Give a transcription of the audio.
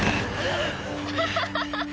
ハハハハッ！